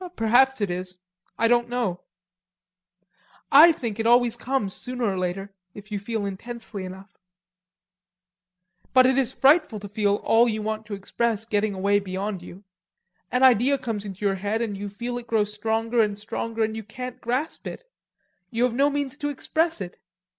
"Perhaps it isn't. I don't know." "I think it always comes sooner or later, if you feel intensely enough." "But it is so frightful to feel all you want to express getting away beyond you. An idea comes into your head, and you feel it grow stronger and stronger and you can't grasp it; you have no means to express it.